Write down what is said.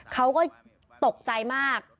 เขาก็ตกใจมาก